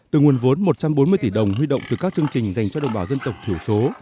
từ nguồn vốn một trăm bốn mươi tỷ đồng huy động từ các chương trình dành cho đồng bào dân tộc thiểu số